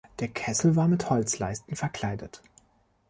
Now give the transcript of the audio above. Der Kessel war mit Holzleisten verkleidet.